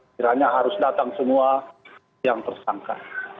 kiranya harus datang semua yang tersangka